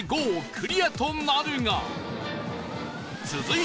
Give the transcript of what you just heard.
クリアとなるが